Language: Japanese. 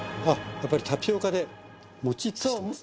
やっぱりタピオカでもちっとしてます。